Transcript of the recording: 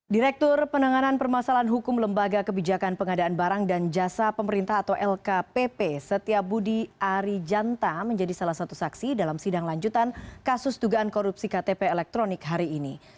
direktur penanganan permasalahan hukum lembaga kebijakan pengadaan barang dan jasa pemerintah atau lkpp setiabudi ari janta menjadi salah satu saksi dalam sidang lanjutan kasus dugaan korupsi ktp elektronik hari ini